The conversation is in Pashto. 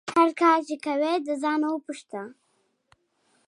هر کار چې کوې له ځانه پوښته